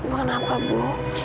bukan apa bu